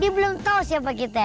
dia belum tahu siapa kita